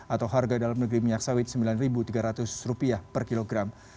atau harga dalam negeri minyak sawit rp sembilan tiga ratus per kilogram